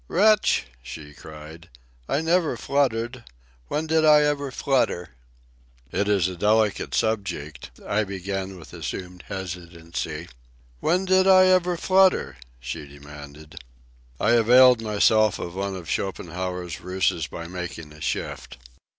"Wretch!" she cried. "I never fluttered. When did I ever flutter!" "It is a delicate subject ..." I began with assumed hesitancy. "When did I ever flutter?" she demanded. I availed myself of one of Schopenhauer's ruses by making a shift.